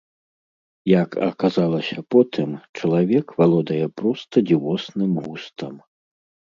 Як аказалася потым, чалавек валодае проста дзівосным густам.